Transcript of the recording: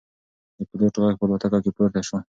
د پیلوټ غږ په الوتکه کې پورته شو.